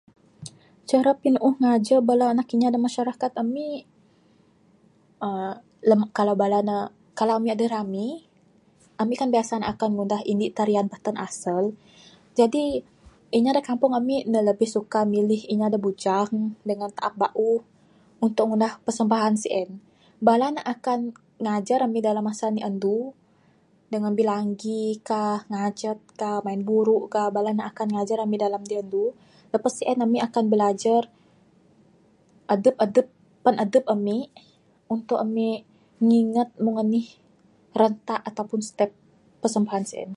Cara pinuuh ngajar bala anak inya da masyarakat ami uhh kalau bala ne, kalau ami' aduh rami, ami' kan biasa ne ngundah indik tarian batan asal. Jadi, inya da kampung ami' lebih suka ne milih inya da bujang dengan taap bauh untuk ngundah persembahan sien. Bala ne akan ngajar ami' dalam masa indi andu dengan bilangi kah, nagajat kah, main buru'k kah. Bala ne akan ngajar ami dalam indi andu. Lepas sien amik akan bilajar adup adup, pan adup ami untuk ami' ngigat mung anih rentak atau pun step persembahan sien.